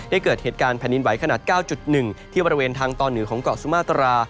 เกิดเหตุการณ์แผ่นดินไหวขนาด๙๑ที่บริเวณทางตอนเหนือของเกาะสุมาตรา